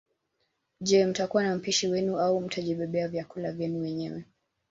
Je mtakuwa na mpishi wenu au mtajibebea vyakula vyenu wenyewe